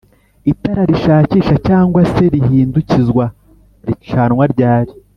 itara rishakisha cg se rihindukizwa ricanwa ryali